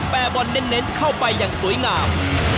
บอลเน้นเข้าไปอย่างสวยงาม